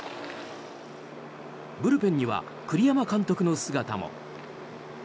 ブルペンには栗山監督の姿も。